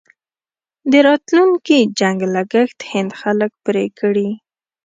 د راتلونکي جنګ لګښت هند خلک پرې کړي.